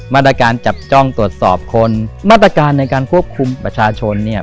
มาตรการจับจ้องตรวจสอบคนมาตรการในการควบคุมประชาชนเนี่ย